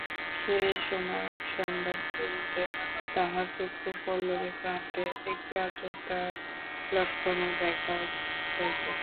সে সময়ে অনুসন্ধান করিলে তাহার চক্ষু-পল্লবের প্রান্তে একটা আর্দ্রতার লক্ষণও দেখা যাইত।